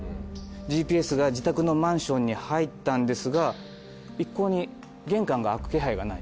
ＧＰＳが自宅のマンションに入ったんですが一向に玄関が開く気配がない。